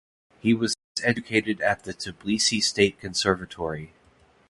He was educated at the Tbilisi State Conservatory.